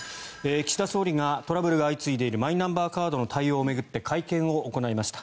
岸田総理がトラブルが相次いでいるマイナンバーカードの対応を巡って会見を行いました。